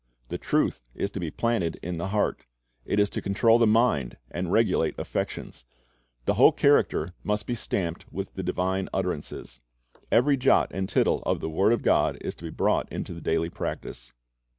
The truth is to be planted in the heart. It is to control 1 I John 3 : 24 ; 2:3 314 Christ's Object Lessons the mind and regulate the affections. The whole character must be stamped with the divine utterances. Every jot and tittle of the word of God is to be brought into the daily practise.